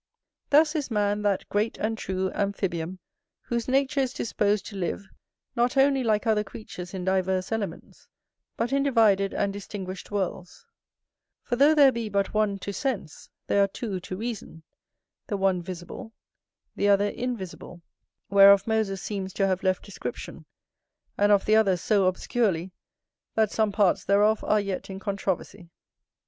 Thus is man that great and true amphibium, whose nature is disposed to live, not only like other creatures in divers elements, but in divided and distinguished worlds; for though there be but one to sense, there are two to reason, the one visible, the other invisible; whereof Moses seems to have left description, and of the other so obscurely, that some parts thereof are yet in controversy.